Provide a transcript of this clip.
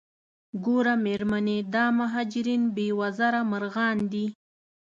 ګوره میرمنې دا مهاجرین بې وزره مرغان دي.